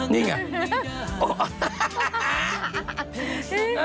นี่ไง